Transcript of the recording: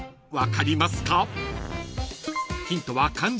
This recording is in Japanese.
［分かりますか？］